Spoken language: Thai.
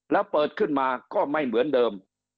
แล้วเปิดขึ้นมาก็ไม่เหมือนเดิม